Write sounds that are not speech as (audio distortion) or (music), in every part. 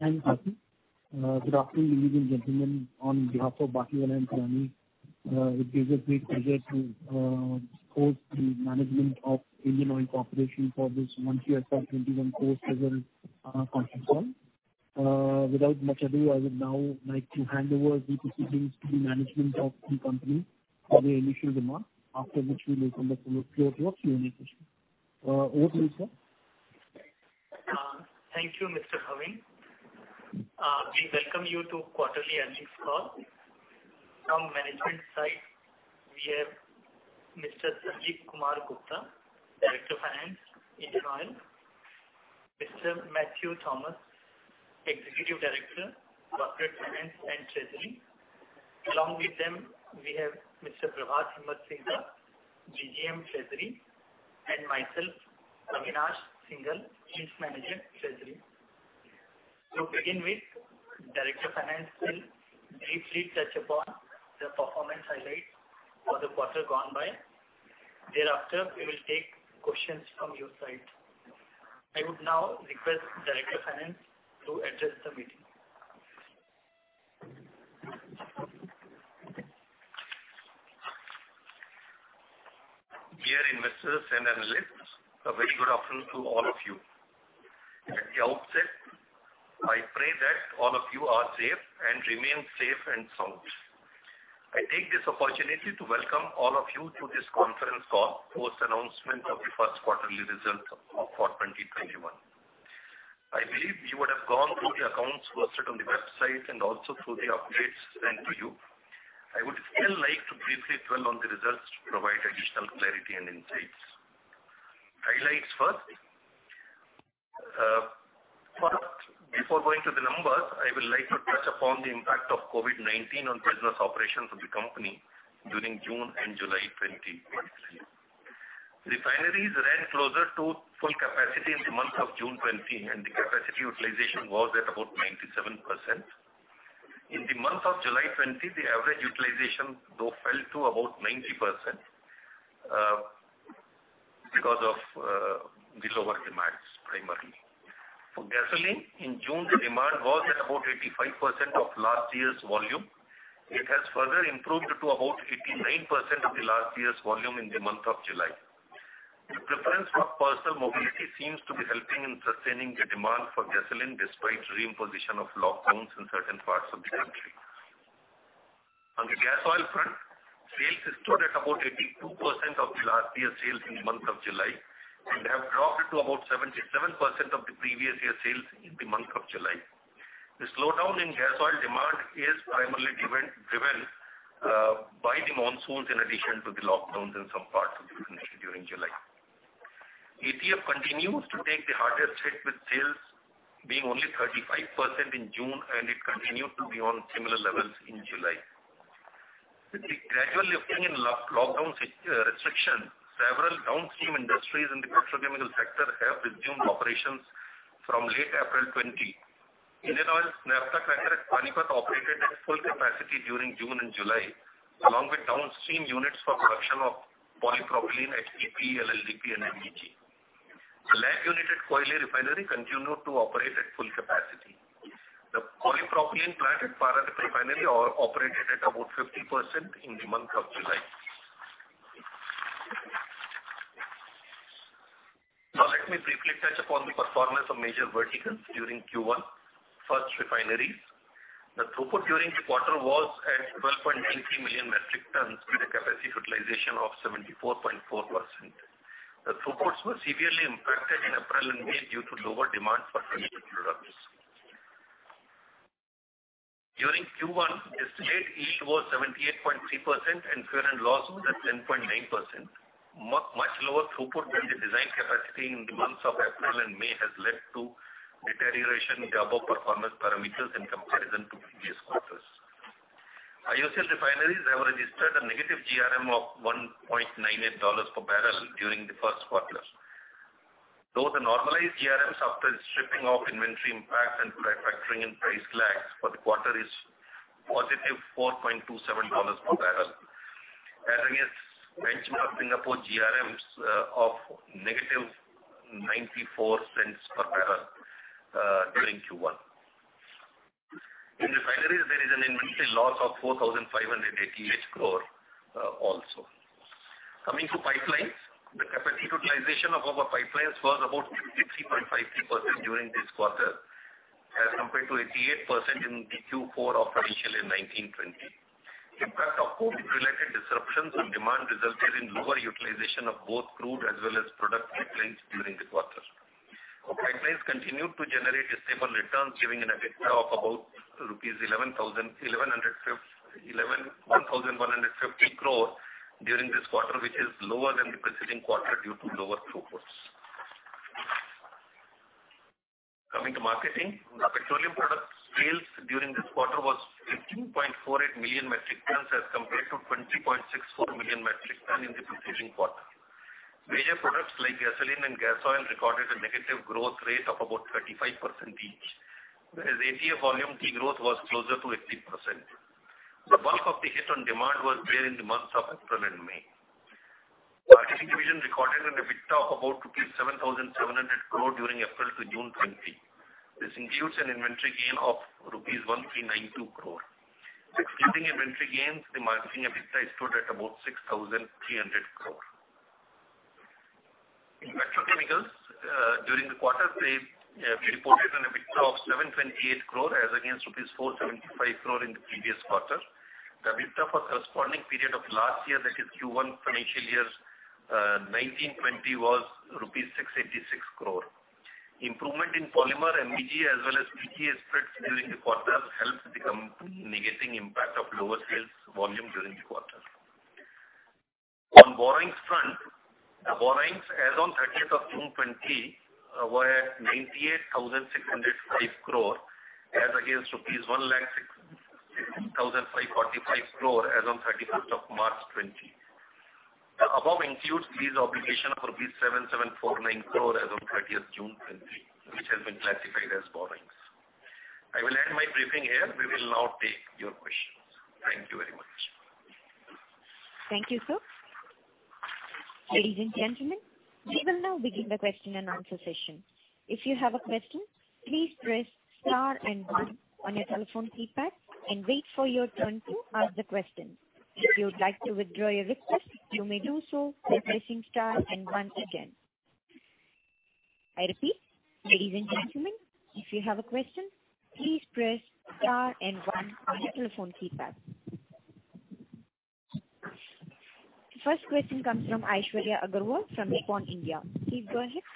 Thanks, Kasi. Good afternoon, ladies and gentlemen. On behalf of Batlivala & Karani Securities, it gives us great pleasure to host the management of Indian Oil Corporation for this 1Q FY 2021 post-result conference call. Without much ado, I would now like to hand over the proceedings to the management of the company for the initial remarks. After which we will open the floor to your Q&A session. Over to you, sir. Thank you, Mr. Bhavin. We welcome you to quarterly earnings call. From management side, we have Mr. Sandeep Kumar Gupta, Director of Finance, Indian Oil. Mr. Matthew Thomas, Executive Director, Corporate Finance and Treasury. Along with them, we have Mr. Prabhat Himatsingka, GM Treasury, and myself, Avinash Singhal, Chief Manager, Treasury. To begin with, Director Finance will briefly touch upon the performance highlights for the quarter gone by. Thereafter, we will take questions from your side. I would now request Director Finance to address the meeting. Dear investors and analysts, a very good afternoon to all of you. At the outset, I pray that all of you are safe and remain safe and sound. I take this opportunity to welcome all of you to this conference call, post announcement of the first quarterly results for 2021. I believe you would have gone through the accounts posted on the website, and also through the updates sent to you. I would still like to briefly dwell on the results to provide additional clarity and insights. Highlights first. Before going to the numbers, I would like to touch upon the impact of COVID-19 on business operations of the company during June and July 2020. Refineries ran closer to full capacity in the month of June 2020, and the capacity utilization was at about 97%. In the month of July 20, the average utilization though fell to about 90% because of the lower demands primarily. For gasoline, in June, the demand was at about 85% of last year's volume. It has further improved to about 89% of the last year's volume in the month of July. The preference for personal mobility seems to be helping in sustaining the demand for gasoline, despite reimposition of lockdowns in certain parts of the country. On the gas oil front, sales stood at about 82% of the last year's sales in the month of July and have dropped to about 77% of the previous year's sales in the month of July. The slowdown in gas oil demand is primarily driven by the monsoons, in addition to the lockdowns in some parts of the country during July. ATF continues to take the hardest hit, with sales being only 35% in June, and it continued to be on similar levels in July. With the gradual lifting in lockdown restrictions, several downstream industries in the petrochemical sector have resumed operations from late April 2020. Indian Oil's naphtha cracker at Panipat operated at full capacity during June and July, along with downstream units for production of polypropylene, HDPE, LLDPE, and MEG. The LAB unit at Koyali Refinery continued to operate at full capacity. The polypropylene plant at Paradip Refinery operated at about 50% in the month of July. Let me briefly touch upon the performance of major verticals during Q1. First, refineries. The throughput during the quarter was at 12.93 million metric tons with a capacity utilization of 74.4%. The throughputs were severely impacted in April and May due to lower demand for petroleum products. During Q1, estimated yield was 78.3% and fuel and loss was at 10.9%. Much lower throughput than the design capacity in the months of April and May has led to deterioration in above performance parameters in comparison to previous quarters. IOCL refineries have registered a negative GRM of $1.98 per bbl during the first quarter. Though the normalized GRMs after stripping off inventory impacts and factoring in price lags for the quarter is positive $4.27 per barrel, as against benchmark Singapore GRMs of -$0.94 per bbl, during Q1. In refineries, there is an inventory loss of 4,588 crore also. Coming to pipelines, the capacity utilization of our pipelines was about 53.53% during this quarter as compared to 88% in the Q4 of financial year 2019/2020. Impact of COVID-related disruptions on demand resulted in lower utilization of both crude as well as product pipelines during the quarter. Pipelines continued to generate stable returns, giving an EBITDA of about rupees 11,150 crore during this quarter, which is lower than the preceding quarter due to lower throughputs. Coming to marketing, the petroleum product sales during this quarter was 15.48 million metric tons as compared to 20.64 million metric tons in the preceding quarter. Major products like gasoline and gas oil recorded a negative growth rate of about 35% each, whereas ATF volume de-growth was closer to 80%. The bulk of the hit on demand was during the months of April and May. Marketing division recorded an EBITDA of about 7,700 crore during April to June 2020. This includes an inventory gain of rupees 1,392 crore. Excluding inventory gains, the marketing EBITDA stood at about INR 6,300 crore. In petrochemicals, during the quarter, they reported an EBITDA of 728 crore as against rupees 475 crore in the previous quarter. The EBITDA for corresponding period of last year, that is Q1 financial year 2019/2020, was rupees 686 crore. Improvement in polymer and PX as well as PX spreads during the quarter helped become negating impact of lower sales volume during the quarter. On borrowings front, borrowings as on 30th of June 2020 were INR 98,605 crore as against INR 106,545 crore as on 31st of March 2020. The above includes lease obligation of INR 7,749 crore as on 30th June 2020, which has been classified as borrowings. I will end my briefing here. We will now take your questions. Thank you very much. Thank you, sir. Ladies and gentlemen, we will now begin the question-and-answer session. If you have a question, please press star and one on your telephone keypad and wait for your turn to ask the question. If you would like to withdraw your request, you may do so by pressing star and one again. I repeat, ladies and gentlemen, if you have a question, please press star and one on your telephone keypad. First question comes from Aishwarya Agarwal from Nippon India. Please go ahead.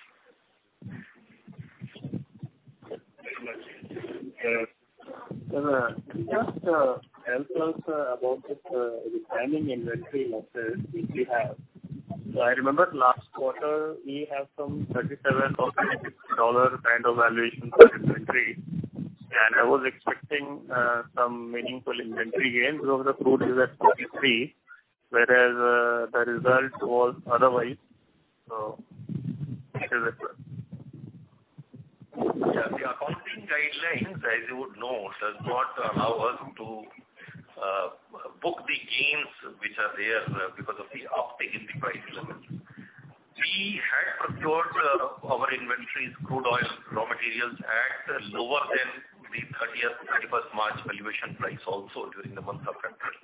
Thank you very much. Can you just help us about this timing inventory losses which you have? I remember last quarter, we have some $37 or $36 kind of valuation for inventory, and I was expecting some meaningful inventory gains because the crude is at $43, whereas the result was otherwise. What is it, sir? Yes. The accounting guidelines, as you would know, does not allow us to book the gains which are there because of the uptick in the price level. We had procured our inventories, crude oil, raw materials, at lower than the 30th, 31st March valuation price also during the month of April.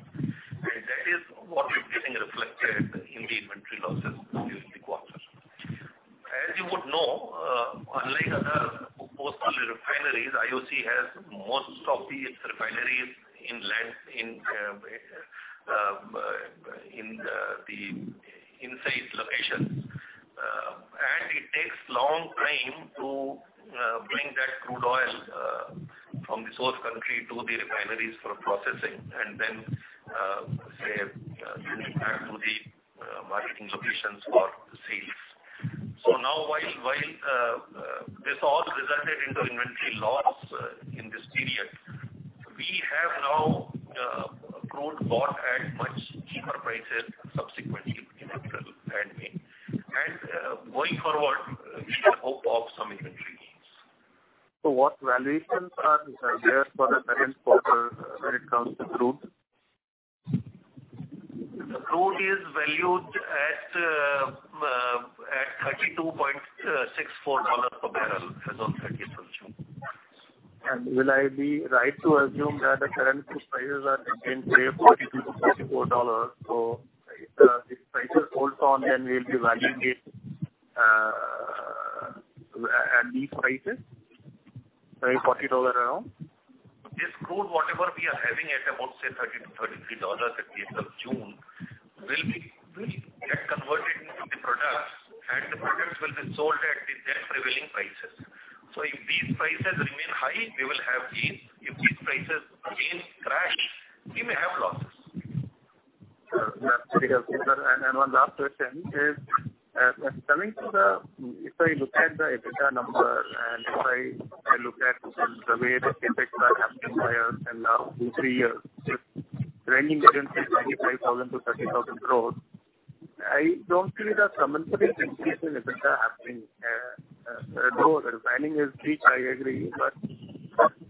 That is what is getting reflected in the inventory losses during the quarter. As you would know, unlike other coastal refineries, IOC has most of its refineries in inside locations, and it takes long time to bring that crude oil from the source country to the refineries for processing and then moving back to the marketing locations for sales. Now, while this all resulted into inventory loss in this period, we have now crude bought at much cheaper prices subsequently in April and May. Going forward, we should have hope of some inventory gains. What valuations are there for the current quarter when it comes to crude? The crude is valued at $32.64 per bbl as on 30th of June. Will I be right to assume that the current crude prices are again, say, $40-$44? If the prices holds on, then we'll be valuing it at these prices, $40 around? This crude, whatever we are having at about, say, $30-$33 at the end of June, will get converted into the products, and the products will be sold at the then prevailing prices. If these prices remain high, we will have gains. If these prices again crash, we may have losses. That's very helpful, sir. One last question is, if I look at the EBITDA number, and if I look at the way the CapEx are happening here and now in three years, if trending against 25,000 to 30,000 crore, I don't see the commensurate increase in EBITDA happening. Though the refining is rich, I agree, but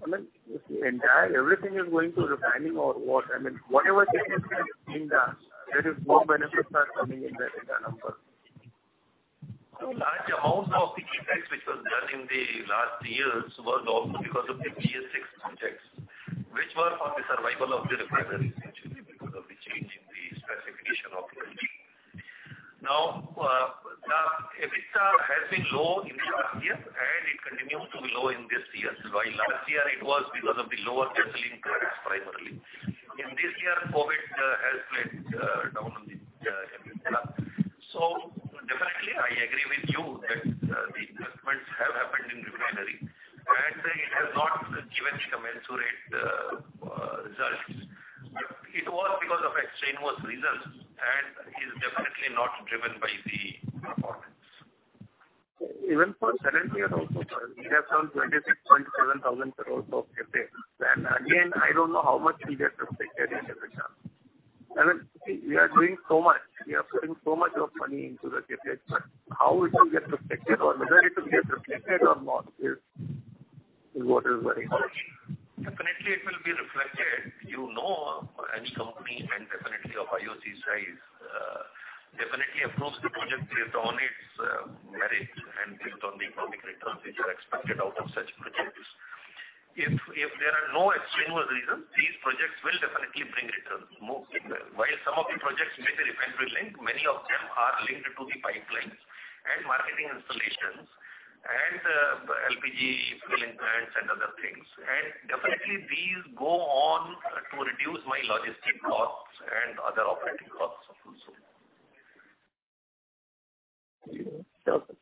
everything is going to refining or what? Whatever CapEx has been done, there is no benefits are coming in the EBITDA number. A large amount of the CapEx which was done in the last years was also because of the BS VI projects, which were for the survival of the refineries, actually, because of the change in the specification of the. Okay. The EBITDA has been low in last year, and it continued to be low in this year. Last year it was because of the lower gasoline prices primarily. In this year, COVID has played down on the EBITDA. Definitely, I agree with you that the investments have happened in refinery, and it has not given commensurate results. It was because of exogenous reasons and is definitely not driven by the performance. Even for current year also, sir, we have some INR 26,700 crores of CapEx. Again, I don't know how much will get reflected in EBITDA. We are doing so much. We are putting so much of money into the CapEx, but how it will get reflected or whether it will get reflected or not is what is worrying us. Any company and definitely of IOC's size, definitely approves the project based on its merit and based on the economic returns which are expected out of such projects. If there are no extraordinary reasons, these projects will definitely bring returns. While some of the projects may be refinery linked, many of them are linked to the pipelines and marketing installations and the LPG filling plants and other things. Definitely these go on to reduce my logistic costs and other operating costs also. Yeah. Sure, sir.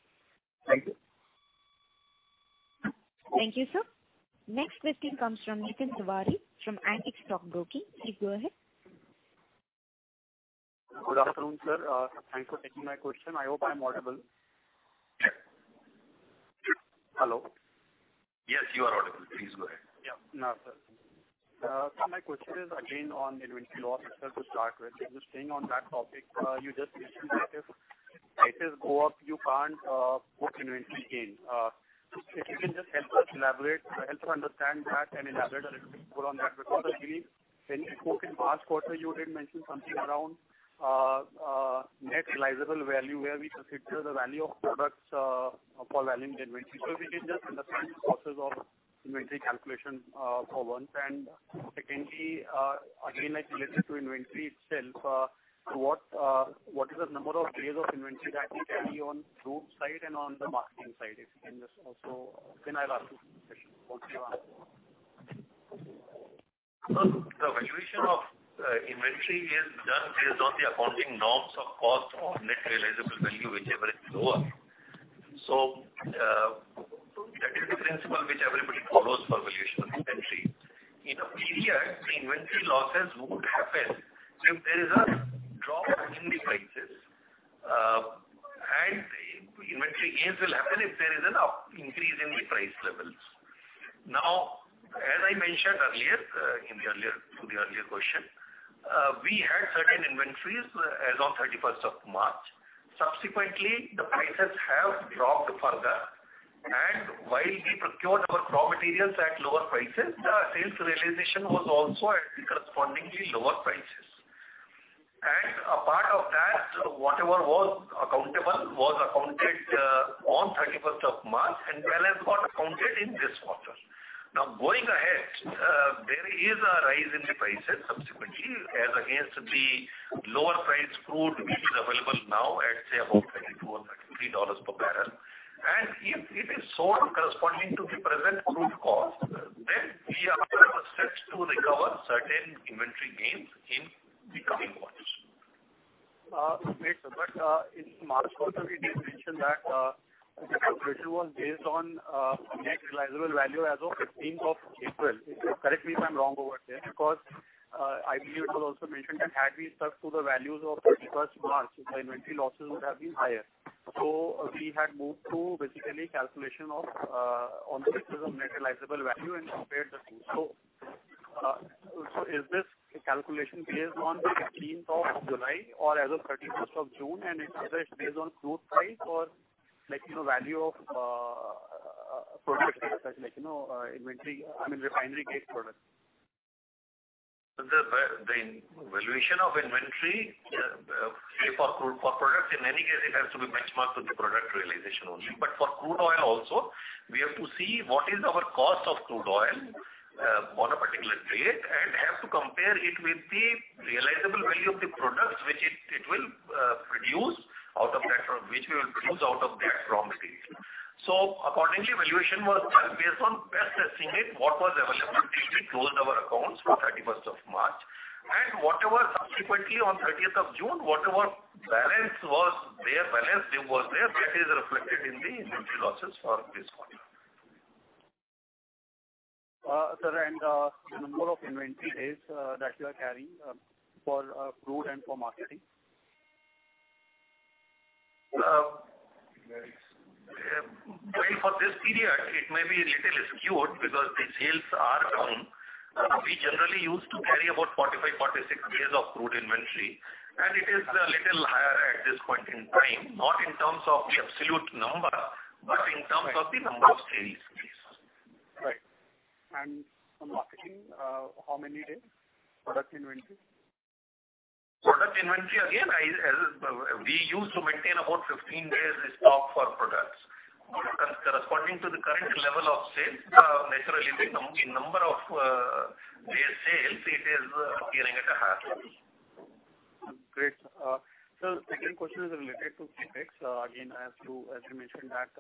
Thank you. Thank you, sir. Next question comes from Nitin Sawhney from Antique Stock Broking. Please go ahead. Good afternoon, sir. Thanks for taking my question. I hope I'm audible. Hello? Yes, you are audible. Please go ahead. Yeah. Sir, my question is again on inventory loss itself to start with. Just staying on that topic, you just mentioned that if prices go up, you can't book inventory gains. If you can just help us elaborate to help to understand that and elaborate a little bit more on that. I believe in your call in last quarter, you did mention something around Net Realizable Value, where we consider the value of products for valuing inventory. If you can just understand the process of inventory calculation for one. Secondly, again, it's related to inventory itself. What is the number of days of inventory that we carry on crude side and on the marketing side? If you can just also Then I'll ask you some questions also. Sir, the valuation of inventory is done based on the accounting norms of cost or net realizable value, whichever is lower. That is the principle which everybody follows for valuation of inventory. In a period, the inventory losses would happen if there is a drop in the prices, and inventory gains will happen if there is an increase in the price levels. As I mentioned earlier, in the earlier question, we had certain inventories as on thirty-first of March. Subsequently, the prices have dropped further, and while we procured our raw materials at lower prices, the sales realization was also at correspondingly lower prices. Apart of that, whatever was accountable was accounted on thirty-first of March, and balance got accounted in this quarter. Going ahead, there is a rise in the prices subsequently as against the lower priced crude which is available now at say, about $22 or $23 per barrel. If it is sold corresponding to the present crude cost, then we are under the steps to recover certain inventory gains in the coming quarters. Great, sir. In March quarter, we did mention that the calculation was based on Net Realizable Value as of 15th of April. Correct me if I'm wrong over there, because I believe it was also mentioned that had we stuck to the values of 31st March, the inventory losses would have been higher. We had moved to basically calculation on the basis of Net Realizable Value and compared the two. Is this calculation based on 15th of July or as of 31st of June? Is it based on crude price or Net Realizable Value of products as such, like inventory, I mean, refinery-based products? The valuation of inventory for products, in any case, it has to be benchmarked with the product realization only. For crude oil also, we have to see what is our cost of crude oil on a particular date and have to compare it with the realizable value of the product which we will produce out of that raw material. Accordingly, valuation was done based on best estimate what was available till we closed our accounts for 31st of March. Whatever subsequently on 30th of June, whatever balance was there, that is reflected in the inventory losses for this quarter. Sir, the number of inventory days that you are carrying for crude and for marketing? Well, for this period, it may be a little skewed because the sales are down. We generally used to carry about 45, 46 days of crude inventory, it is a little higher at this point in time, not in terms of the absolute number, but in terms of the number of days. Right. On marketing, how many days product inventory? Product inventory, again, we used to maintain about 15 days stock for products. Corresponding to the current level of sales, naturally the number of day sales it is appearing at a higher level. Great. Sir, second question is related to CapEx. Again, as you mentioned that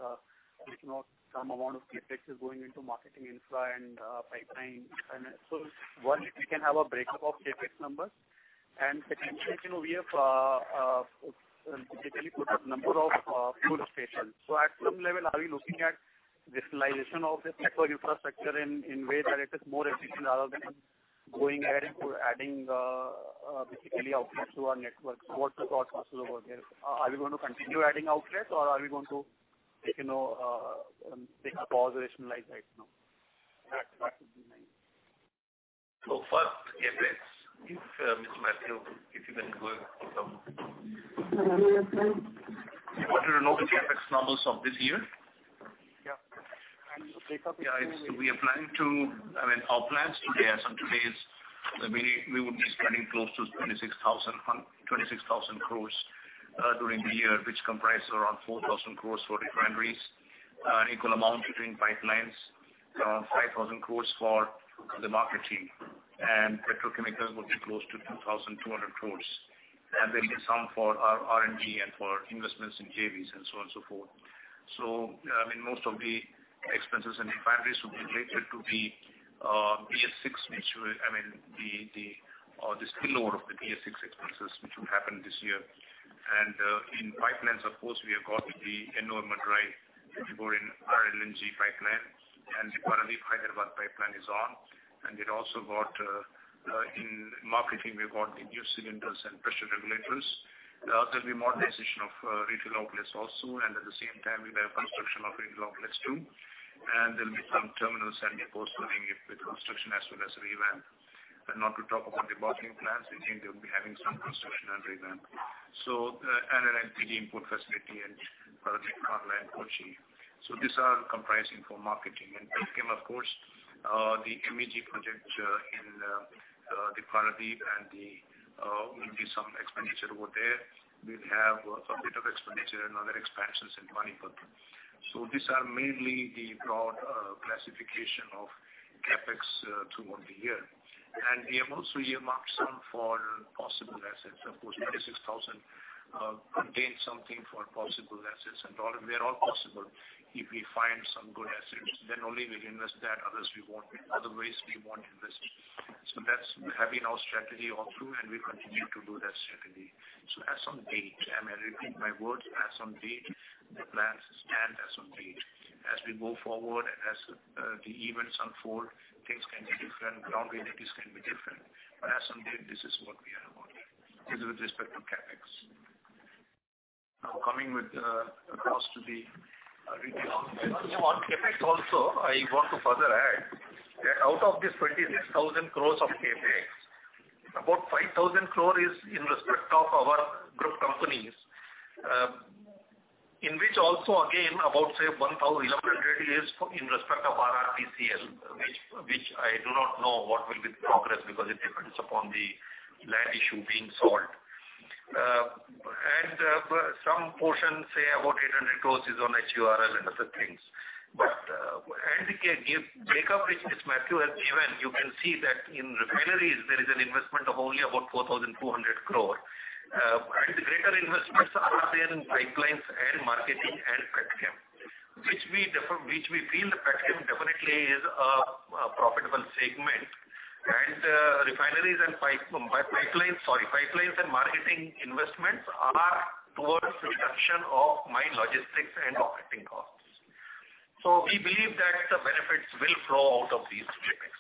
some amount of CapEx is going into marketing infra and pipeline. One, if we can have a breakup of CapEx numbers. Secondly, we have basically put up number of fuel stations. At some level, are we looking at rationalization of this network infrastructure in ways that it is more efficient rather than going ahead and adding basically outlets to our network? What's the thought process over there? Are we going to continue adding outlets or are we going to take a pause and rationalize right now? First, CapEx. Mr. Matthew, if you can go ahead. Hello, yes sir. You want to know the CapEx numbers of this year? Our plans as of today is that we would be spending close to 26,000 crores during the year, which comprise around 4,000 crores for refineries, an equal amount between pipelines, around 5,000 crores for the marketing, and petrochemicals will be close to 2,200 crores. There will be some for our R&D and for investments in JVs and so on and so forth. Most of the expenses in refineries will be related to the spillover of the BS VI expenses, which will happen this year. In pipelines, of course, we have got the Ennore-Tuticorin and the R-LNG pipeline, and the Paradip-Hyderabad pipeline is on. In marketing, we've got the new cylinders and pressure regulators. There'll also be modernization of retail outlets also, and at the same time, we have construction of retail outlets, too. There'll be some terminals and depots having a bit of construction as well as revamp. Not to talk about the bottling plants, we think they'll be having some construction and revamp. LNG import facility in Paradip, Kamarajar, and Kochi. These are comprising for marketing. Petchem, of course, the MEG project in the Paradip, there will be some expenditure over there. We'll have a bit of expenditure and other expansions in Vadodara. These are mainly the broad classification of CapEx throughout the year. We have also earmarked some for possible assets. Of course, 26,000 contains something for possible assets, and they're all possible. If we find some good assets, then only we'll invest that. Otherwise, we won't invest. That's having our strategy all through, and we continue to do that strategy. As on date, and I repeat my words, as on date, the plans stand as on date. As we move forward, as the events unfold, things can be different, priorities can be different. As on date, this is what we are working on. This is with respect to CapEx. Coming across to the retail- On CapEx also, I want to further add that out of this 26,000 crore of CapEx, about 5,000 crore is in respect of our group companies, in which also, again, about, say, 1,100 is in respect of RRPCL, which I do not know what will be the progress because it depends upon the land issue being solved. Some portion, say about 800 crore, is on HURL and other things. The breakup which Matthew has given, you can see that in refineries, there is an investment of only about 4,200 crore. The greater investments are there in pipelines and marketing and Petchem. Which we feel Petchem definitely is a profitable segment. Pipelines and marketing investments are towards reduction of my logistics and operating costs. We believe that the benefits will flow out of these CapEx.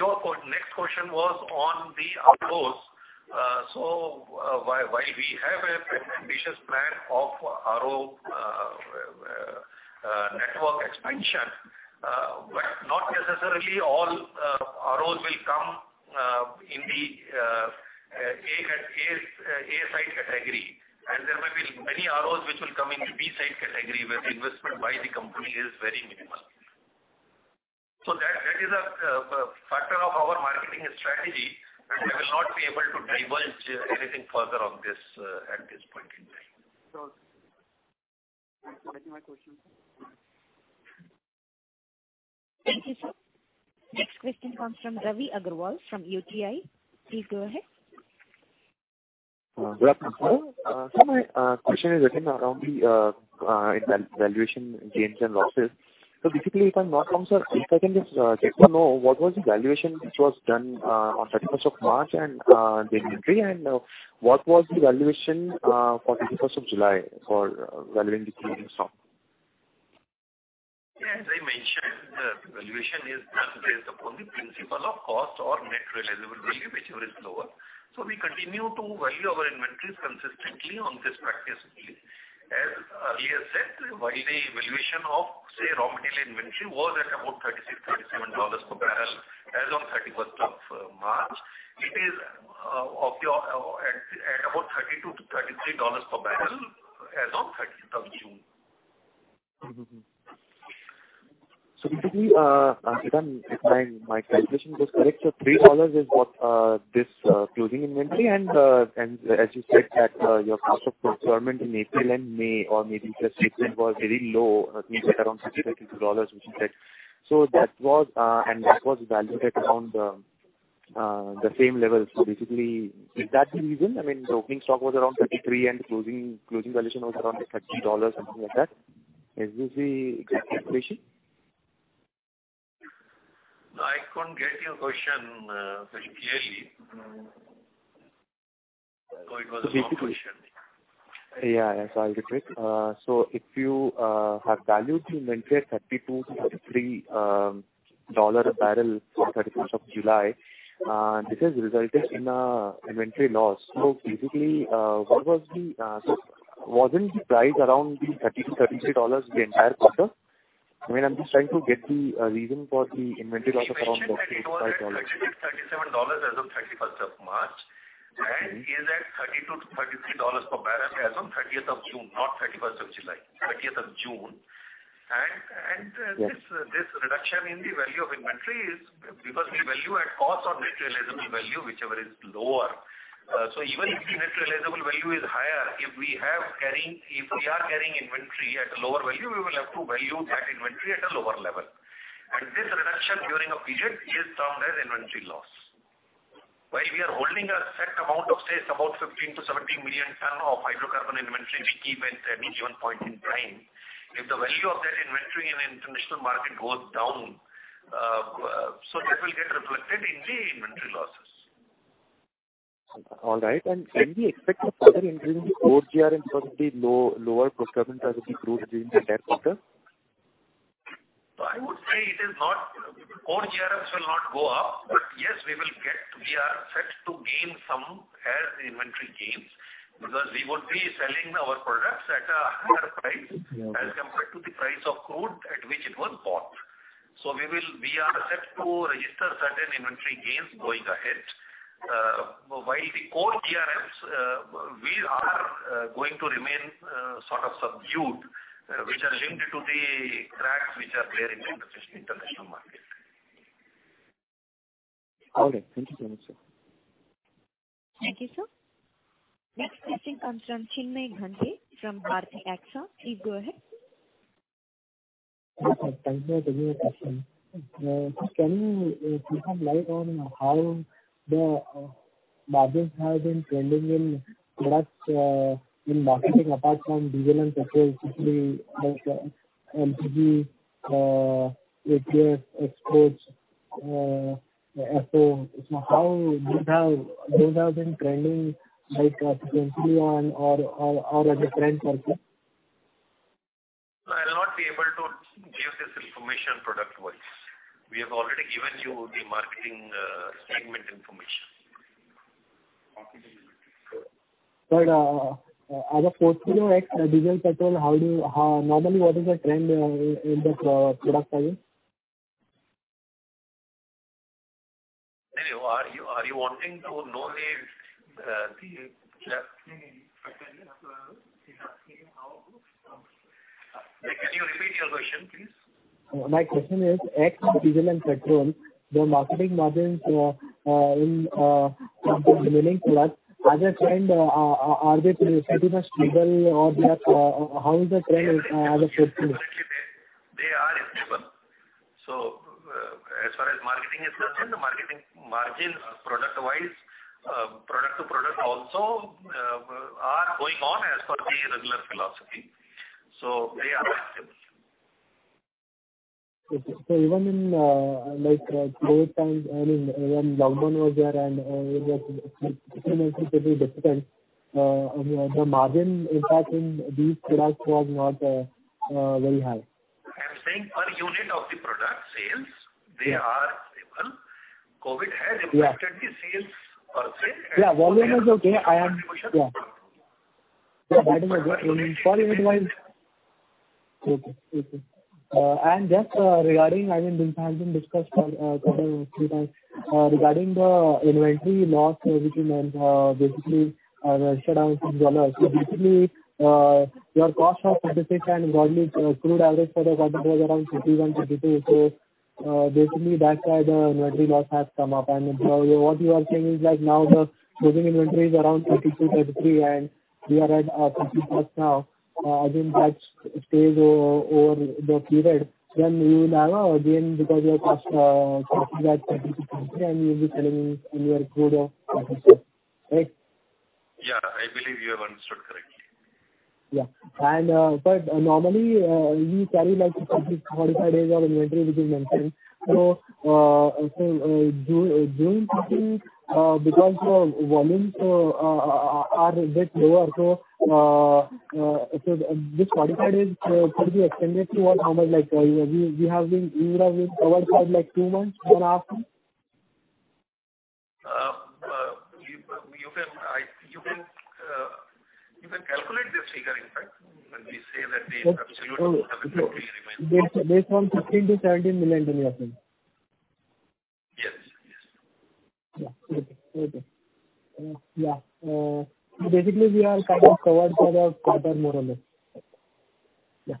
Your next question was on the ROs. While we have an ambitious plan of RO network expansion, not necessarily all ROs will come in the A site category, as there may be many ROs which will come in the B site category, where investment by the company is very minimal. That is a factor of our marketing strategy, and I will not be able to divulge anything further on this at this point in time. That's all. Those were my questions. Thank you, sir. Next question comes from Ravi Agarwal of UTI. Please go ahead. Good afternoon. Sir, my question is again around the valuation gains and losses. basically, if I can just get to know, what was the valuation which was done on 31st of March, and the inventory, and what was the valuation for 31st of July for valuing the closing stock? As I mentioned, valuation is done based upon the principle of cost or net realizable value, whichever is lower. We continue to value our inventories consistently on this practice. As earlier said, while the valuation of, say, raw material inventory was at about $36, $37 per bbl as of 31st of March, it is at about $32-$33 per bbl as on 30th of June. Basically, if my calculation is correct, INR 3 is what this closing inventory, and as you said that your cost of procurement in April and May or maybe March was very low, maybe at around INR 32, which you said. That was valued at around the same level. Basically, is that the reason? I mean, the opening stock was around 33, and the closing valuation was around INR 30, something like that. Is this the correct calculation? No, I couldn't get your question very clearly, or it was a wrong question. Yeah. I'll repeat. If you have valued the inventory at $32-$33 a bbl for 31st of July, this has resulted in an inventory loss. Basically, wasn't the price around the $30-$33 the entire quarter? I mean, I'm just trying to get the reason for the inventory loss of around $35. I mentioned that it was $36, $37 as of 31st of March. It is at $32 to $33 per bbl as on 30th of June, not 31st of July, 30th of June. This reduction in the value of inventory is because we value at cost or Net Realizable Value, whichever is lower. Even if the Net Realizable Value is higher, if we are carrying inventory at a lower value, we will have to value that inventory at a lower level. This reduction during a period is termed as inventory loss. While we are holding a set amount of, say, about 15 to 17 million tons of hydrocarbon inventory, we keep at any given point in time, if the value of that inventory in international market goes down, so that will get reflected in the inventory losses. All right. Can we expect a further increase in the core GRM because of the lower procurement price of the crude during the quarter? I would say core GRMs will not go up. Yes, we are set to gain some as the inventory gains, because we would be selling our products at a higher price as compared to the price of crude at which it was bought. We are set to register certain inventory gains going ahead. While the core GRMs are going to remain sort of subdued, which are linked to the cracks which are there in the international market. All right. Thank you very much, sir. Thank you, sir. Next question comes from Chinmay Gandre from Bharti AXA. Please go ahead. Yes, sir. Thank you for taking my question. Sir, can you please shed light on how the margins have been trending in products in marketing apart from diesel and petrol, specifically like LPG, ATF, exports, SKO. How those have been trending like sequentially or at a trend level? I will not be able to give this information product-wise. We have already given you the marketing segment information. Other portfolio like diesel, petrol, normally, what is the trend in the product side? Can you repeat your question, please? My question is, ex diesel and petrol, the marketing margins in the remaining products, as a trend, are they pretty much stable or how is the trend as a portfolio? They are stable. As far as marketing is concerned, the marketing margin, product-wise, product to product also are going on as per the regular philosophy. They are stable. Okay. Even in Covid times, when volume was there and it was significantly different, the margin impact in these products was not very high. I'm saying per unit of the product sales, they are stable. Covid has impacted the sales also. Yeah, volume is okay. Contribution. Yeah. Volume is okay. Volume-wise Okay. Just regarding, this has been discussed a couple or three times. Regarding the inventory loss which you mentioned, basically, shutdown since January. Basically, your cost of certificate and raw material crude average for the quarter was around INR 51, INR 52. Basically, that's why the inventory loss has come up. What you are saying is, like now the closing inventory is around 32, 33, and we are at 50+ now. Again, that stays over the period. You now, again, because your cost INR 50 at INR 32, INR 33, and you'll be selling in your crude of INR 50, right? Yeah, I believe you have understood correctly. Yeah. Normally, we carry like 40, 45 days of inventory, which you mentioned. During Q2, because your volumes are a bit lower, so this 45 days could be extended to what? How much like we have been covered for like two months, two and a half months? You can calculate this figure, in fact, when we say that the absolute inventory remains. Based on INR 15 million-INR 17 million, do you have in mind? Yes. Yeah. Okay. Basically, we are kind of covered for a quarter, more or less. Yeah.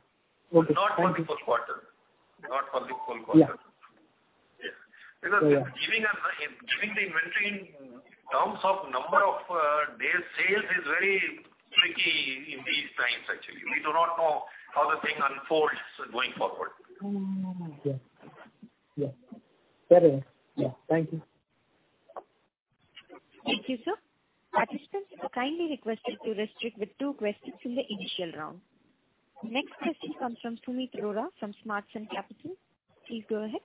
Okay. Not for the full quarter. Yeah. Giving the inventory in terms of number of days sales is very tricky in these times, actually. We do not know how the thing unfolds going forward. Yeah. Fair enough. Thank you. Thank you, sir. Participants are kindly requested to restrict with two questions in the initial round. Next question comes from Sumeet Arora from Smarteen Capital. Please go ahead.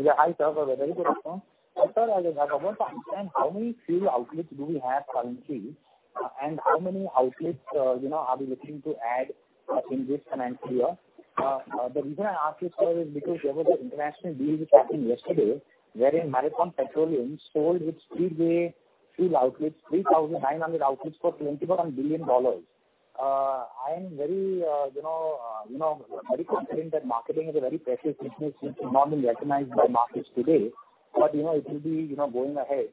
Yeah. Hi, sir. A very good afternoon. Sir, I want to understand how many fuel outlets do we have currently, and how many outlets are we looking to add in this financial year? The reason I ask you, sir, is because there was an international deal which happened yesterday, wherein Marathon Petroleum sold its Speedway fuel outlets, 3,900 outlets for $21 billion. I am very confident that marketing is a very precious business which is not being recognized by markets today, but it will be going ahead.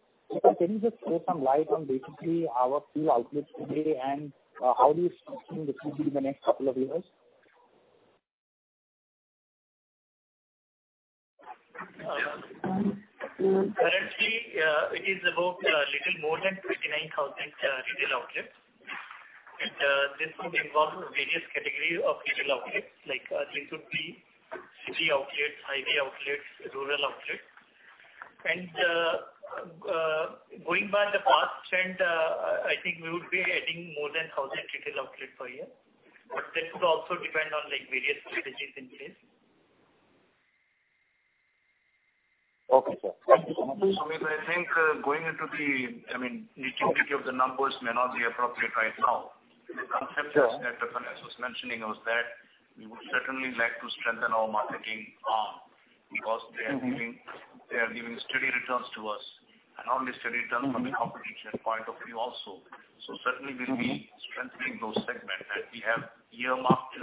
Can you just shed some light on basically our fuel outlets today and how do you see this would be in the next couple of years? Currently, it is about little more than 29,000 retail outlets. This would involve various categories of retail outlets, like this would be city outlets, highway outlets, rural outlets. Going by the past trend, I think we would be adding more than 1,000 retail outlets per year. That could also depend on various strategies in place. Okay, sir. Thank you so much. Sumeet, I think I mean, the totality of the numbers may not be appropriate right now. Sure. The concept that Prasan was mentioning was that we would certainly like to strengthen our marketing arm because they are giving steady returns to us, and only steady returns from a competition point of view also. Certainly we'll be strengthening those segments. We have earmarked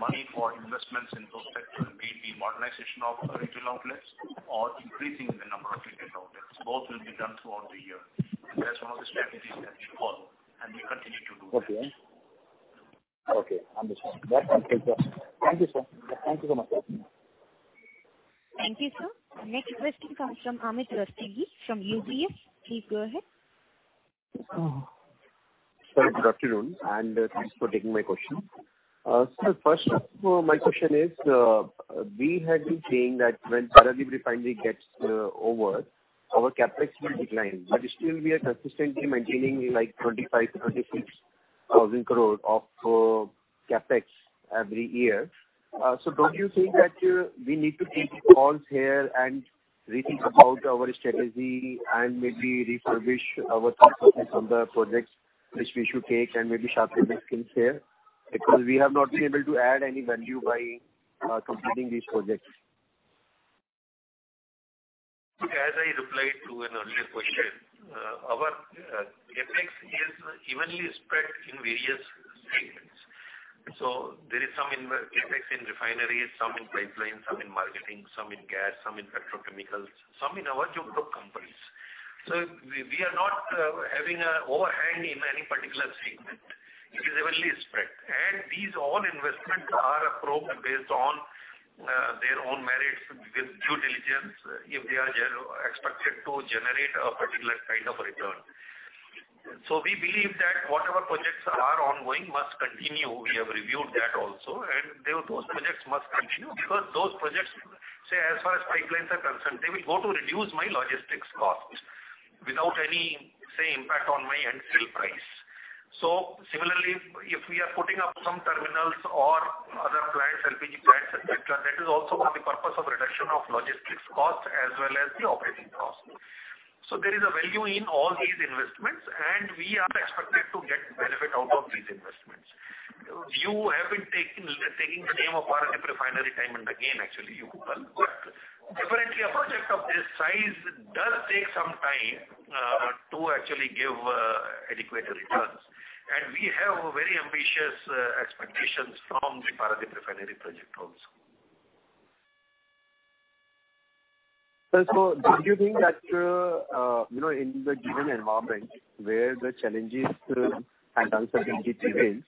money for investments in those sectors, maybe modernization of our retail outlets or increasing the number of retail outlets. Both will be done throughout the year. That's one of the strategies that we follow, and we continue to do that. Okay. Understood. That's helpful, sir. Thank you, sir. Thank you so much. Thank you, sir. Next question comes from Amit Rustagi from UBS. Please go ahead. Sorry, good afternoon, and thanks for taking my question. Sir, first of my question is, we had been saying that when Paradip Refinery gets over, our CapEx will decline, but still we are consistently maintaining 25,000 crore, 30,000 crore of CapEx every year. Don't you think that we need to take a pause here and rethink about our strategy and maybe refurbish our thought process on the projects which we should take and maybe sharpen the skills here? Because we have not been able to add any value by completing these projects. Look, as I replied to an earlier question, our CapEx is evenly spread in various segments. There is some CapEx in refineries, some in pipelines, some in marketing, some in gas, some in petrochemicals, some in our joint venture companies. We are not having an overhand in any particular segment. It is evenly spread. These all investments are approved based on their own merits with due diligence, if they are expected to generate a particular kind of return. We believe that whatever projects are ongoing must continue. We have reviewed that also, and those projects must continue because those projects, say, as far as pipelines are concerned, they will go to reduce my logistics costs without any, say, impact on my end sale price. Similarly, if we are putting up some terminals or other plants, LPG plants, et cetera, that is also for the purpose of reduction of logistics costs as well as the operating costs. There is a value in all these investments, and we are expected to get benefit out of these investments. You have been taking the name of Paradip Refinery time and again, actually, you could. Definitely a project of this size does take some time to actually give adequate returns. We have very ambitious expectations from the Paradip Refinery project also. Sir, don't you think that in the given environment where the challenges and uncertainties remain,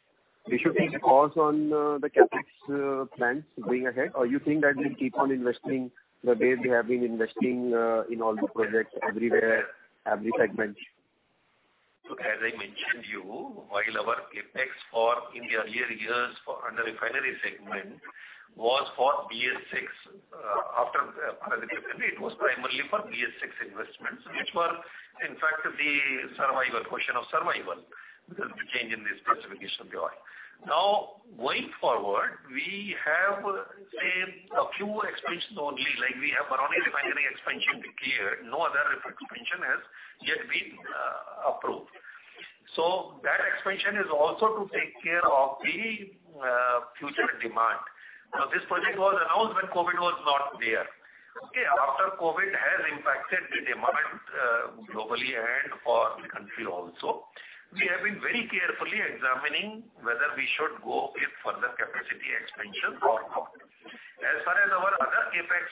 we should take a pause on the CapEx plans going ahead? You think that we'll keep on investing the way we have been investing in all the projects everywhere, every segment? As I mentioned you, while our CapEx for in the earlier years under refinery segment was for BS VI. After Paradip Refinery, it was primarily for BS VI investments, which were, in fact, the question of survival because of the change in the specification of the oil. Going forward, we have, say, a few expansions only. We have Barauni Refinery expansion clear. No other expansion has yet been approved. That expansion is also to take care of the future demand. This project was announced when COVID was not there. After COVID has impacted the demand globally and for the country also, we have been very carefully examining whether we should go with further capacity expansion or not. As far as our other CapEx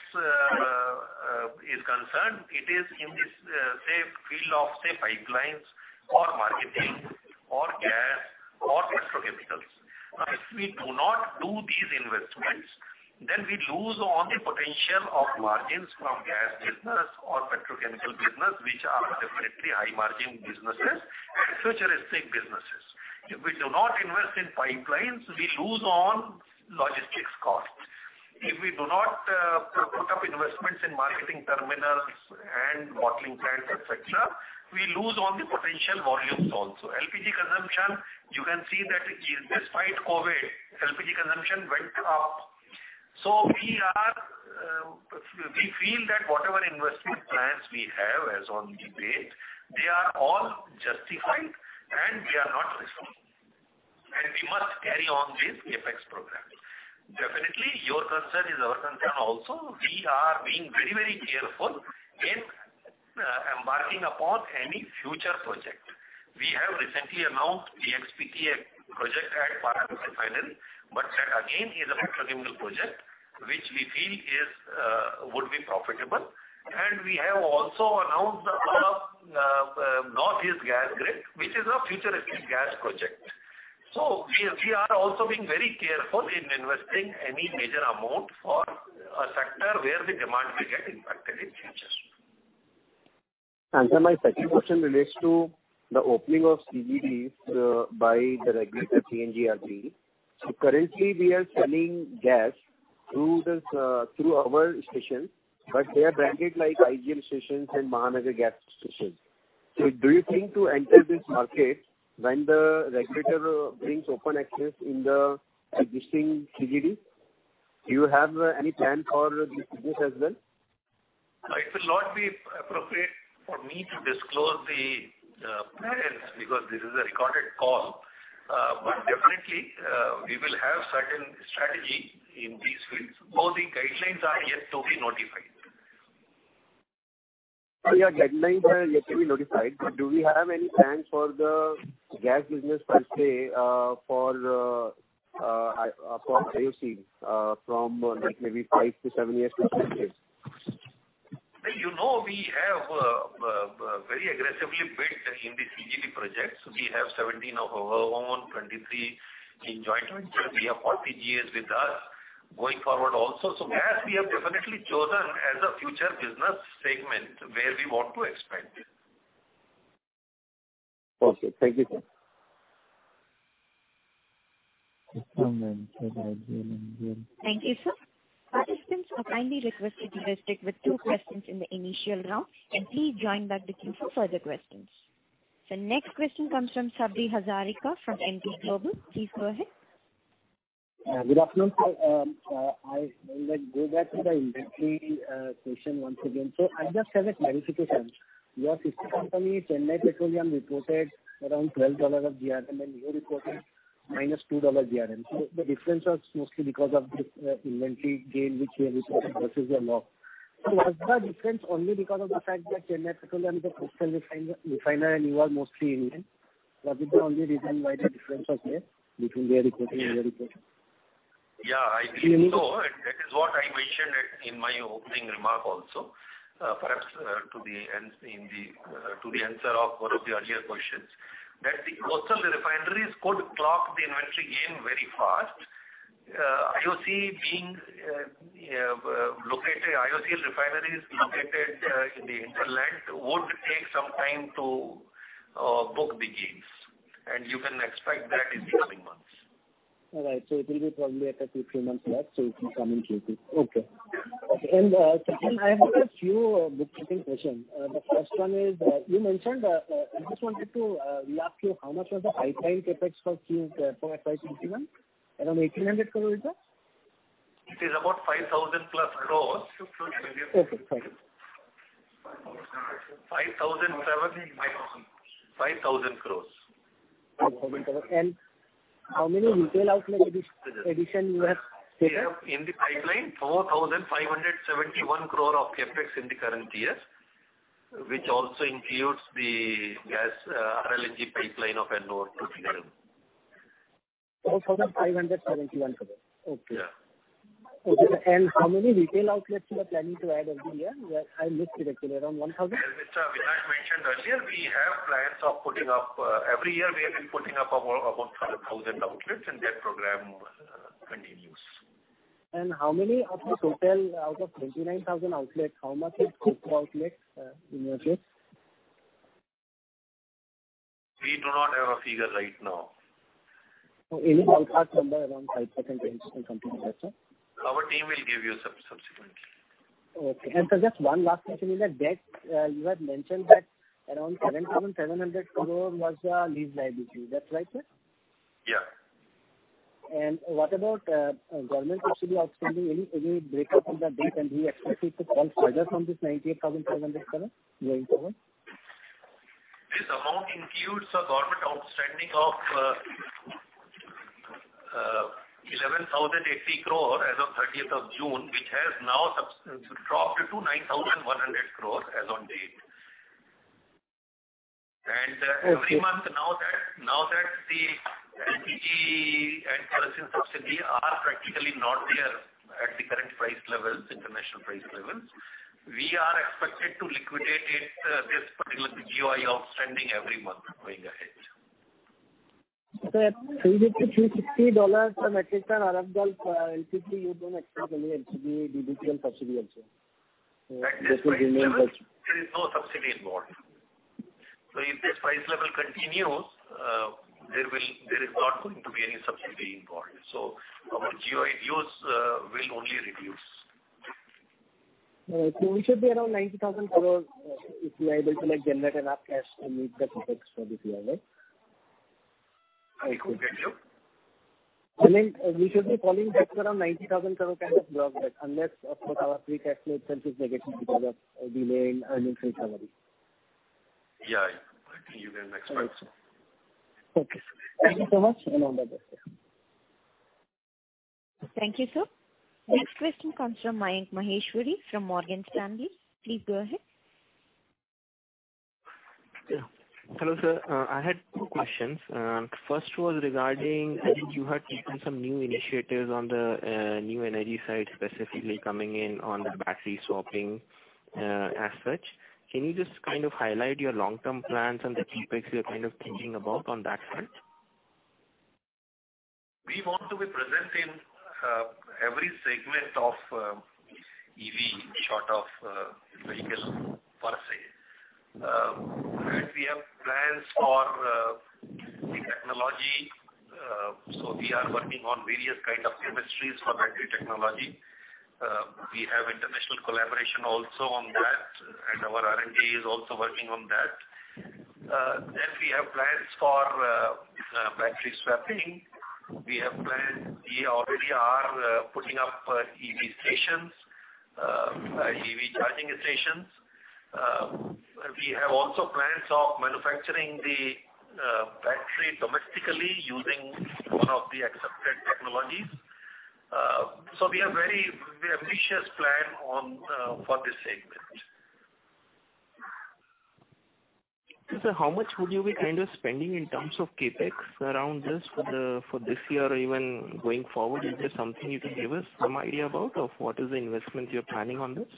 is concerned, it is in this field of, say, pipelines or marketing or gas or petrochemicals. If we do not do these investments, then we lose on the potential of margins from gas business or petrochemical business, which are definitely high margin businesses, futuristic businesses. If we do not invest in pipelines, we lose on logistics costs. If we do not put up investments in marketing terminals and bottling plants, et cetera, we lose on the potential volumes also. LPG consumption, you can see that despite COVID-19, LPG consumption went up. We feel that whatever investment plans we have as on the date, they are all justified, and we are not risking. We must carry on with CapEx program. Definitely, your concern is our concern also. We are being very careful in embarking upon any future project. We have recently announced the PX-PTA project at Paradip Refinery, but that again is a petrochemical project, which we feel would be profitable. We have also announced the North East Gas Grid, which is a futuristic gas project. We are also being very careful in investing any major amount for a sector where the demand may get impacted in future. Sir, my second question relates to the opening of CGDs by the regulator, PNGRB. Currently, we are selling gas through our stations, but they are branded like IGL stations and Mahanagar Gas stations. Do you think to enter this market when the regulator brings open access in the existing CGD? Do you have any plan for this as well? It will not be appropriate for me to disclose the plans because this is a recorded call. Definitely, we will have certain strategy in these fields. All the guidelines are yet to be notified. Yeah, guidelines are yet to be notified. Do we have any plans for the gas business, per se, (audio distortion) from maybe five to seven years into the future? You know, we have very aggressively bid in the CGD projects. We have 17 of our own, 23 in joint venture. We have GAs with us going forward also. Gas, we have definitely chosen as a future business segment where we want to expand. Okay. Thank you, sir. Thank you, sir. Participants are kindly requested to restrict with two questions in the initial round. Please join back the queue for further questions. The next question comes from Sabri Hazarika from Emkay Global. Please go ahead. Good afternoon, sir. I will go back to the inventory question once again. I just have it clarified, sir. Your sister company, Chennai Petroleum, reported around $12 of GRM, and you reported -$2 GRM. The difference was mostly because of the inventory gain, which you have reported versus a loss. Was the difference only because of the fact that Chennai Petroleum is a coastal refiner, and you are mostly inland? Was it the only reason why the difference was there between their reporting and your reporting? Yeah, I believe so. That is what I mentioned in my opening remark also, perhaps to the answer of one of the earlier questions, that the coastal refineries could clock the inventory gain very fast. IOC refineries located in the hinterland would take some time to book the gains, and you can expect that in the coming months. All right. It will be probably after two, three months max. It will come in Q2. Okay. Second, I have a few bookkeeping questions. The first one is, I just wanted to ask you how much was the pipeline CapEx for FY 2021? Around 1,800 crores, sir? It is about 5,000+ crores. Okay, thank you. 5,000 crores. 5,000 crore. How many retail outlet addition you have made, sir? We have in the pipeline 4,571 crore of CapEx in the current year, which also includes the gas R-LNG pipeline of Ennore to Tuticorin. 4,571 crore. Okay. Yeah. Okay. How many Retail Outlets you are planning to add every year? I missed it actually. Around 1,000? As Mr. Avinash mentioned earlier, every year we have been putting up about 1,000 outlets, and that program continues. How many of this total, out of 29,000 outlets, how much is COCO outlets in your case? We do not have a figure right now. Any ballpark number, around 5% or something like that, sir? Our team will give you subsequently. Okay. Sir, just one last question in the debt. You had mentioned that around 7,700 crore was the lease liability. Is that right, sir? Yeah. What about government actually outstanding? Any breakup of the debt? Do you expect it to fall further from this 98,700 crores going forward? This amount includes a government outstanding of 11,080 crore as of 30th of June, which has now dropped to 9,100 crore as on date. Every month, now that the LPG and kerosene subsidy are practically not there at the current international price levels, we are expected to liquidate this particular GOI outstanding every month going ahead. Sir, $350, $360 from Arab Gulf LPG, you don't expect any LPG subsidy also. At this price level, there is no subsidy involved. If this price level continues, there is not going to be any subsidy involved. Our GOI dues will only reduce. We should be around 90,000 crores if we are able to generate enough cash to meet the CapEx for this year, right? I couldn't get you. We should be falling just around 90,000 crore kind of gross debt unless our free cash flow itself is negative because of delay in earnings recovery. Yeah, I think you can expect so. Okay, sir. Thank you so much. I'm done with questions. Thank you, sir. Next question comes from Mayank Maheshwari, from Morgan Stanley. Please go ahead. Hello, sir. I had two questions. First was regarding, I think you had taken some new initiatives on the new energy side, specifically coming in on the battery swapping as such. Can you just highlight your long-term plans and the CapEx you're thinking about on that front? We want to be present in every segment of EV, short of, vehicle per se. We have plans for the technology. We are working on various kind of chemistries for battery technology. We have international collaboration also on that, and our R&D is also working on that. We have plans for battery swapping. We have plans, we already are putting up EV stations, EV charging stations. We have also plans of manufacturing the battery domestically using one of the accepted technologies. We have very ambitious plan for this segment. How much would you be spending in terms of CapEx around this for this year or even going forward? Is there something you can give us some idea about, of what is the investment you're planning on this?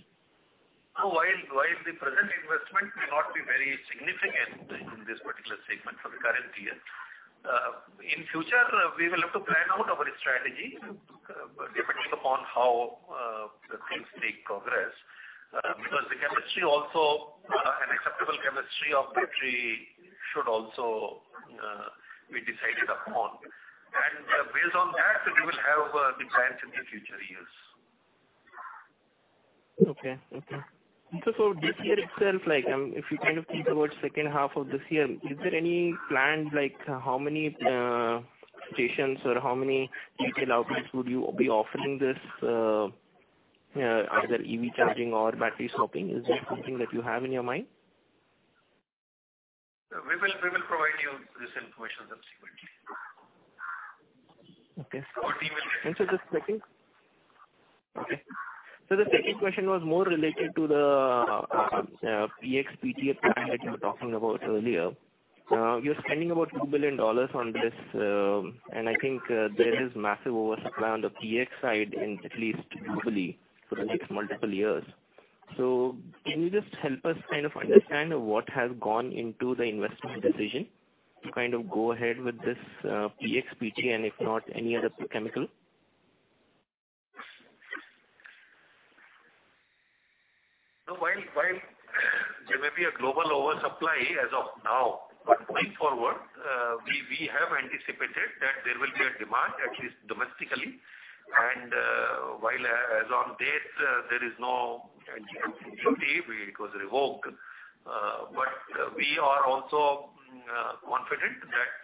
No. While the present investment may not be very significant in this particular segment for the current year, in future, we will have to plan out our strategy depending upon how things make progress. The chemistry also, an acceptable chemistry of battery should also be decided upon. Based on that, we will have the plans in the future years. Okay. This year itself, if you think about second half of this year, is there any plan, like how many stations or how many retail outlets would you be offering this, either EV charging or battery swapping? Is there something that you have in your mind? We will provide you this information subsequently. Okay. We will let you know. The second question was more related to the PX, PTA expansion that you were talking about earlier. You are spending about $2 billion on this, and I think there is massive oversupply on the PX side in at least globally for the next multiple years. Can you just help us understand what has gone into the investment decision to go ahead with this PX, PTA and if not, any other chemical? No. While there may be a global oversupply as of now, going forward, we have anticipated that there will be a demand, at least domestically. While as on date, there is no duty, it was revoked. We are also confident that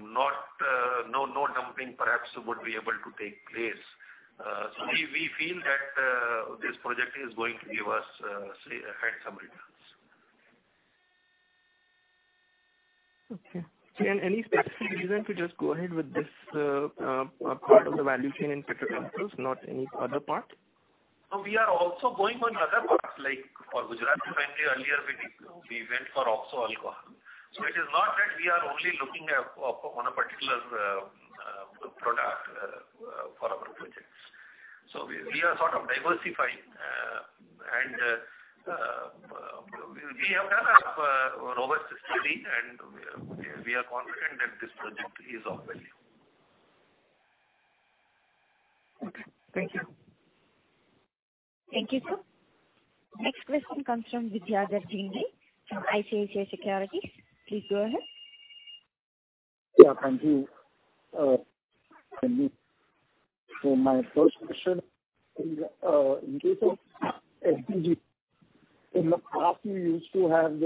no dumping perhaps would be able to take place. We feel that this project is going to give us some returns. Okay. Any specific reason to just go ahead with this part of the value chain in petrochemicals, not any other part? No. We are also going on other parts, like for Gujarat, when we earlier we went for oxo alcohol. It is not that we are only looking at on a particular product for our projects. We are sort of diversifying, and we have done a robust study, and we are confident that this project is of value. Okay. Thank you. Thank you, sir. Next question comes from Vidyadhar Ginde from ICICI Securities. Please go ahead. Yeah, thank you. My first question is, in case of LPG, in the past you used to have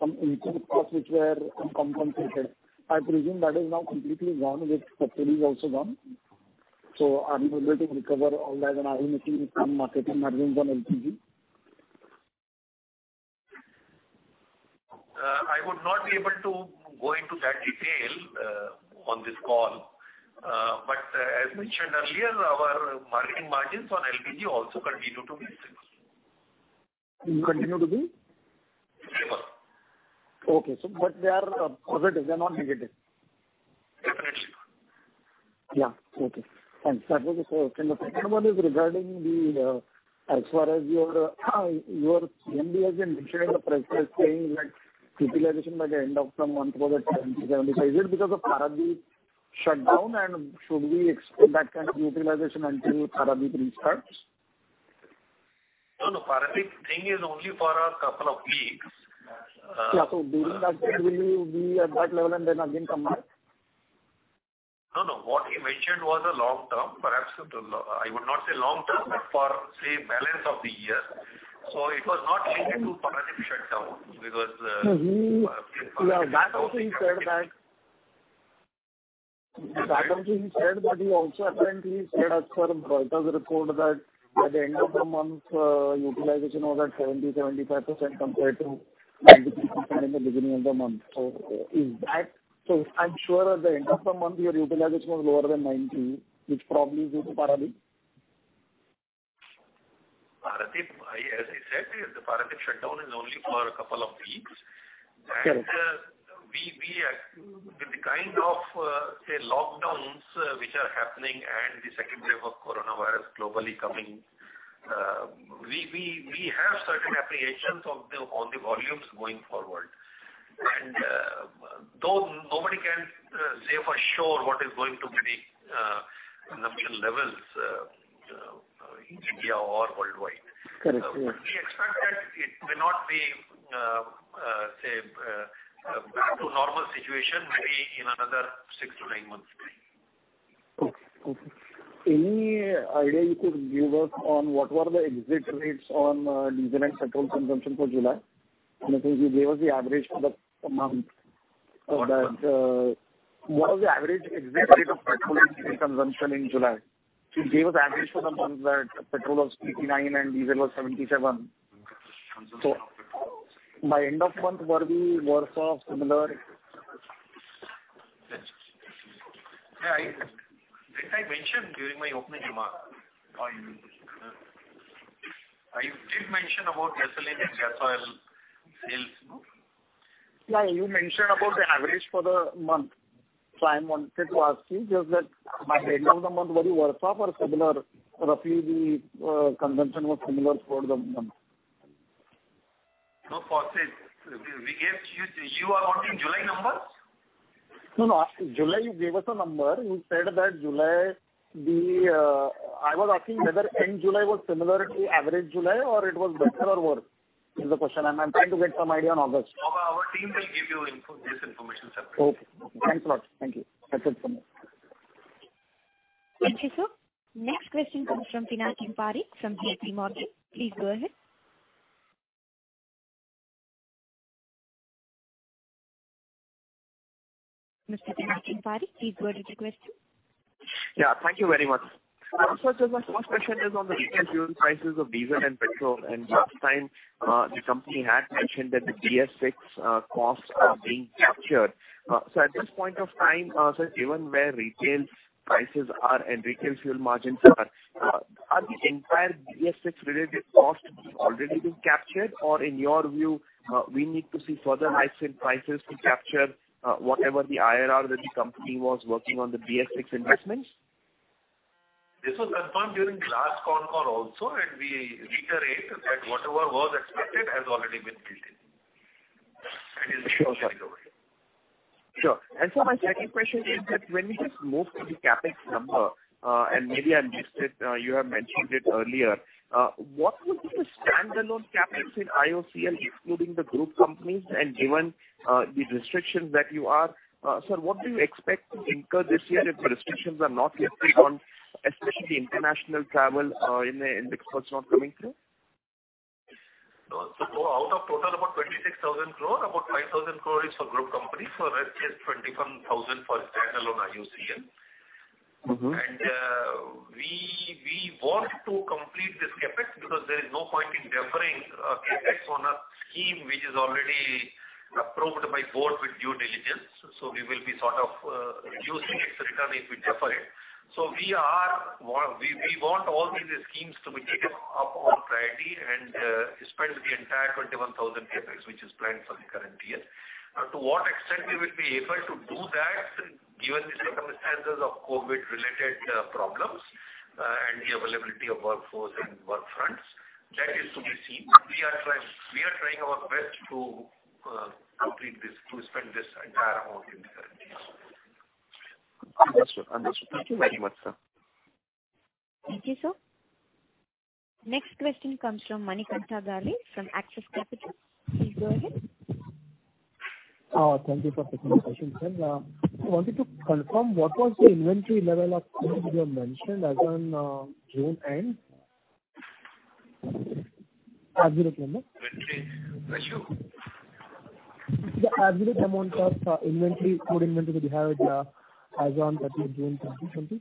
some input costs which were compensated. I presume that is now completely gone with subsidies also gone. Are you able to recover all that and are you making some marketing margins on LPG? I would not be able to go into that detail on this call. As mentioned earlier, our marketing margins on LPG also continue to be stable. Continue to be? Stable. Okay. They are positive, they're not negative? Definitely. Yeah. Okay, thanks. That was the first. The second one is regarding the, as far as your CMD has been mentioning in the press release saying that utilization by the end of the month was at 70-75%. Is it because of Paradip shutdown, and should we expect that kind of utilization until Paradip restarts? No. Paradip thing is only for a couple of weeks. Yeah. During that time, will you be at that level and then again come back? No. What he mentioned was a long-term, perhaps, I would not say long-term, but for, say, balance of the year. It was not linked to Paradip shutdown. Yeah. That also he said that. Yeah. That also he said, but he also apparently said as per positive record of that at the end of the month, utilization was at 70%, 75% compared to 93% in the beginning of the month. I'm sure at the end of the month, your utilization was lower than 90, which probably is due to Paradip. Sandeep, as I said, the Paradip shutdown is only for a couple of weeks. Correct. With the kind of lockdowns which are happening and the second wave of coronavirus globally coming, we have certain apprehensions on the volumes going forward. Though nobody can say for sure what is going to be the normal levels in India or worldwide. Correct. We expect that it may not be back to normal situation maybe in another six to nine months. Okay. Any idea you could give us on what were the exit rates on diesel and petrol consumption for July? You gave us the average for the month. What was the average exit rate of petrol and diesel consumption in July? You gave us average for the month that petrol was 59 and diesel was 77. By end of month, were they worse off, similar? Yes. I think I mentioned during my opening remark. I did mention about gasoline and gas oil sales, no? Yeah, you mentioned about the average for the month, so I wanted to ask you just that by end of the month were you worse off or similar, roughly, the consumption was similar throughout the month? No, for say, you are wanting July numbers? No. July you gave us a number. I was asking whether end July was similar to average July, or it was better or worse, is the question. I'm trying to get some idea on August. Our team will give you this information separately. Okay. Thanks a lot. Thank you. That's it from me. Thank you, sir. Next question comes from Pinakin Parekh from JPMorgan. Please go ahead. Mr. Pinakin Parekh, please go ahead with your question. Yeah, thank you very much. My first question is on the retail fuel prices of diesel and petrol, last time, the company had mentioned that the BS-VI costs are being captured. At this point of time, sir, given where retail prices are and retail fuel margins are the entire BS-VI related costs already been captured, or in your view, we need to see further hikes in prices to capture whatever the IRR that the company was working on the BS-VI investments? This was confirmed during last con call also. We reiterate that whatever was expected has already been built in and is being carried away. Sure. My second question is that when we just move to the CapEx number, and maybe I missed it, you have mentioned it earlier, what would be the standalone CapEx in IOCL excluding the group companies and given the restrictions that you are Sir, what do you expect to incur this year if the restrictions are not lifted on especially international travel in the exports not coming through? Out of total, about 26,000 crore, about 5,000 crore is for group companies. Rest is 21,000 for standalone IOCL. We want to complete this CapEx because there is no point in deferring CapEx on a scheme which is already approved by Board with due diligence. We will be sort of losing its return if we defer it. We want all these schemes to be taken up on priority and spend the entire 21,000 rupees CapEx which is planned for the current year. To what extent we will be able to do that, given the circumstances of COVID-19 related problems and the availability of workforce and work fronts, that is to be seen. We are trying our best to complete this, to spend this entire amount in the current year. Understood. Thank you very much, sir. Thank you, sir. Next question comes from Manikanta Gali from Axis Capital. Please go ahead. Thank you for taking my question, sir. I wanted to confirm what was the inventory level of crude you have mentioned as on June end? Absolute number. Inventory ratio? The absolute amount of inventory, crude inventory that you have as on 30th June 2020 something.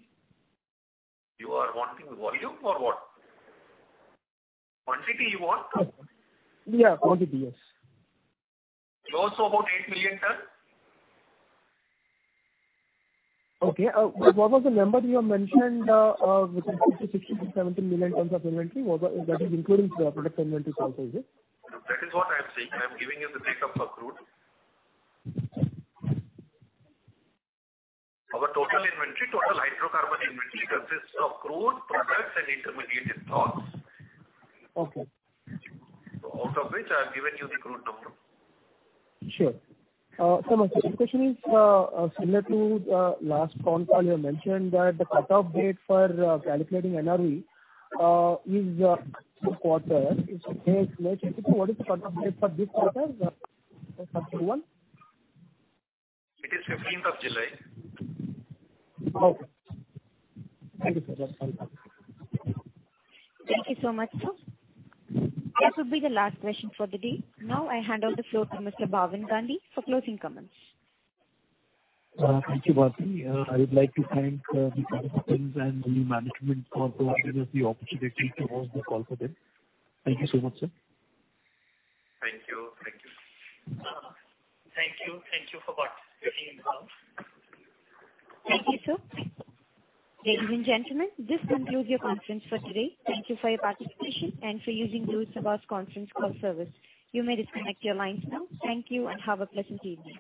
You are wanting volume or what? Quantity you want? Yeah, quantity. Yes. Close to about eight million ton. Okay. What was the number you have mentioned, within 50 million, 60 million-70 million tons of inventory? That is including product inventory also, is it? That is what I'm saying. I'm giving you the breakup of crude. Our total inventory, total hydrocarbon inventory consists of crude products and intermediate stocks. Okay. Out of which, I've given you the crude number. Sure. Sir, my second question is similar to last con call, you have mentioned that the cutoff date for calculating NRV is this quarter. If you may explain, what is the cutoff date for this quarter, for Q1? It is 15th of July. Okay. Thank you, sir. That's all. Thank you so much, sir. That would be the last question for the day. Now I hand out the floor to Mr. Bhavin Gandhi for closing comments. Thank you, Bhavin. I would like to thank the participants and the management for giving us the opportunity to host this call today. Thank you so much, sir. Thank you. Thank you. Thank you for participating in the call. Thank you, sir. Ladies and gentlemen, this concludes your conference for today. Thank you for your participation and for using Chorus Call Conference Call Service. You may disconnect your lines now. Thank you and have a pleasant evening.